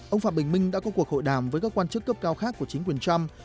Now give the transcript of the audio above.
ông phạm bình minh đã có cuộc hội đàm với các quan chức cấp cao khác của chính quyền trump